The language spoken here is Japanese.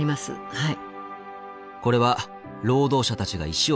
はい。